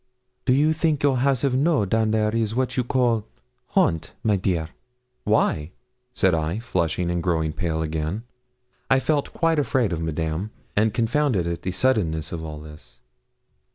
Do you think your house of Knowl down there is what you call haunt, my dear?' 'Why?' said I, flushing and growing pale again. I felt quite afraid of Madame, and confounded at the suddenness of all this.